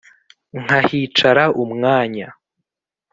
Nkahicara umwanya.